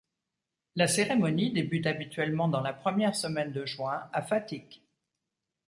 La cérémonie débute habituellement dans la première semaine de juin à Fatick.